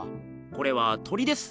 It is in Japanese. これは鳥です。